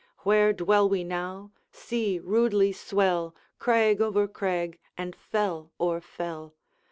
Where dwell we now? See, rudely swell Crag over crag, and fell o'er fell.